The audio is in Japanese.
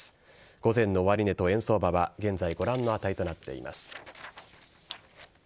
午前の終値と円相場は現在ご覧の値となっています。